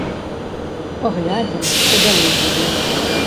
Паглядзім, што далей будзе.